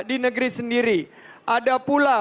di negeri sendiri ada pula